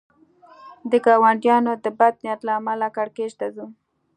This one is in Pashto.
د ګاونډیو د بد نیت له امله کړکېچ ته ځو.